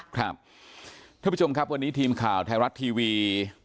ท่านผู้ชมครับวันนี้ทีมข่าวไทยรัฐทีวี